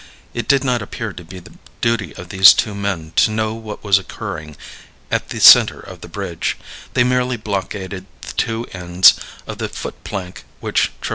It did not appear to be the duty of these two men to know what was occurring at the center of the bridge; they merely blockaded the two ends of the foot plank which traversed it.